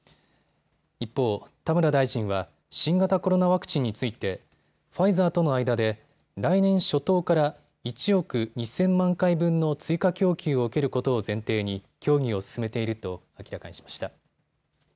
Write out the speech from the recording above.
一方、田村大臣は新型コロナワクチンについてファイザーとの間で来年初頭から１億２０００万回分の追加供給を受けることを前提に協議を進めていると明らかにしました。